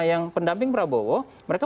yang pendamping prabowo mereka